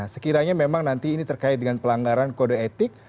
sekiranya memang nanti ini terkait dengan pelanggaran kode etik